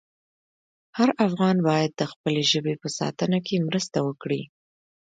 هر افغان باید د خپلې ژبې په ساتنه کې مرسته وکړي.